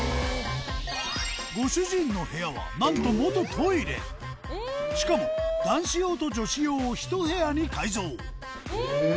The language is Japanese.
ご主人の部屋はなんとしかも男子用と女子用をひと部屋に改造え？